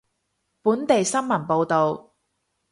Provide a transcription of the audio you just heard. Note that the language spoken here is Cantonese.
本地新聞報道